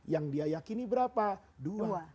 yang dia yakini berapa dua